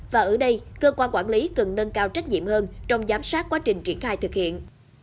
và ở đây cơ quan quản lý cần nâng cao trách nhiệm hơn trong giám sát quá trình triển khai thực hiện